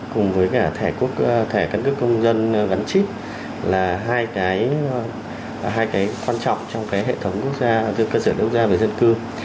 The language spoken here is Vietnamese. cùng với thẻ cân cước công dân gắn chip là hai cái quan trọng trong hệ thống cơ sở dữ liệu quốc gia về dân cư